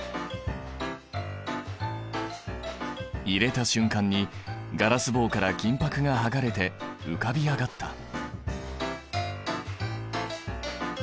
入れた瞬間にガラス棒から金ぱくが剥がれて浮かび上がった。